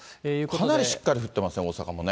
かなりしっかり降ってますね、大阪もね。